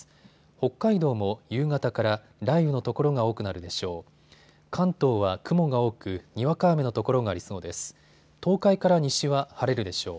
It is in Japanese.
北海道も夕方から雷雨の所が多くなるでしょう。